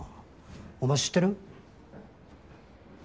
お前知ってる？